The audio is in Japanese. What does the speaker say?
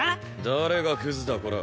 誰がクズだコラ。